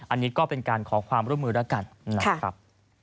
อันนี้ก็เป็นการขอความร่วมมือแล้วกันนะครับ